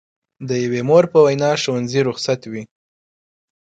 د یوې مور په وینا ښوونځي رخصت وي.